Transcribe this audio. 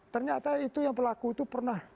ternyata itu yang pelaku itu pernah